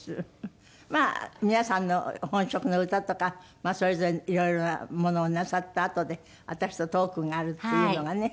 まあ皆さんの本職の歌とかそれぞれいろいろなものをなさったあとで私とトークがあるっていうのがね。